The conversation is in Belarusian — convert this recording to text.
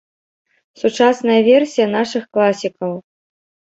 Сучасная версія нашых класікаў.